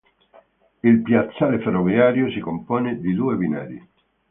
Il piazzale ferroviario si compone di due binari.